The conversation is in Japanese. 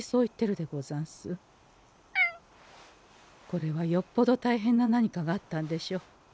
これはよっぽど大変な何かがあったんでしょう。